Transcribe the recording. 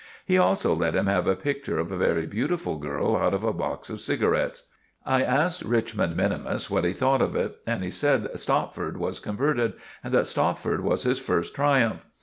He also let him have a picture of a very beautiful girl out of a box of cigarettes. I asked Richmond minimus what he thought of it, and he said Stopford was converted, and that Stopford was his first triumph.